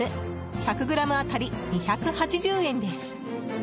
１００ｇ当たり２８０円です。